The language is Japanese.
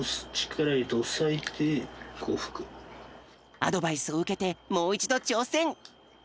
アドバイスをうけてもういちどちょうせん！